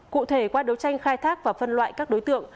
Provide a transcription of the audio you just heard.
cụ thể qua đấu tranh khai thác và phân loại các đối tượng